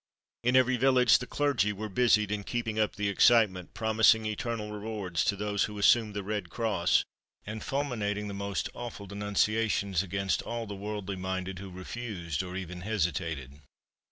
In every village the clergy were busied in keeping up the excitement, promising eternal rewards to those who assumed the red cross, and fulminating the most awful denunciations against all the worldly minded who refused or even hesitated.